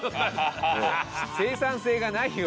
生産性がないよ。